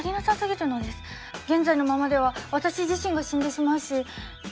現在のままでは私自身が死んでしまうしあまりに惨めです。